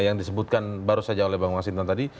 yang disebutkan baru saja oleh bang mas hinton tadi